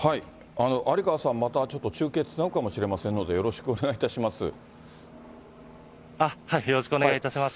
有川さん、またちょっと中継つなぐかもしれませんので、よろしくお願いいたよろしくお願いいたします。